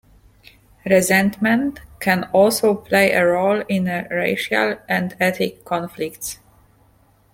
Resentment can also play a role in racial and ethnic conflicts.